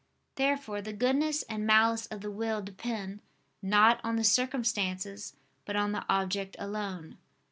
Therefore the goodness and malice of the will depend, not on the circumstances, but on the object alone.